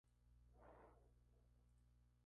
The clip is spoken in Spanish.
Carmelitas y su recogida.